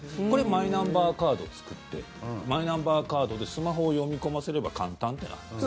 マイナンバーカードを作ってマイナンバーカードでスマホを読み込ませれば簡単ってなるんです。